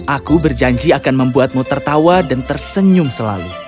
aku berjanji akan membuatmu tertawa dan tersenyum selalu